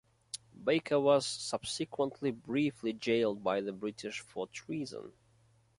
Baker was subsequently briefly jailed by the British for treason.